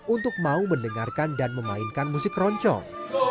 untuk mau mendengarkan dan memainkan musik keroncong